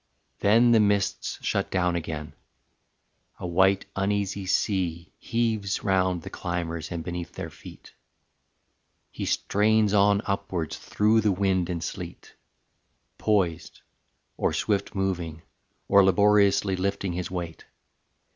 Then the mists Shut down again; a white uneasy sea Heaves round the climbers and beneath their feet. He strains on upwards through the wind and sleet, Poised, or swift moving, or laboriously Lifting his weight.